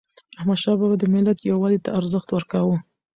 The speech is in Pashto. احمدشاه بابا د ملت یووالي ته ارزښت ورکاوه.